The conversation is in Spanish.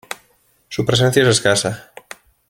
Su presencia es escasa.